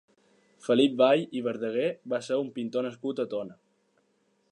Felip Vall i Verdaguer va ser un pintor nascut a Tona.